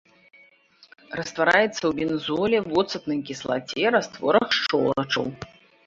Раствараецца ў бензоле, воцатнай кіслаце, растворах шчолачаў.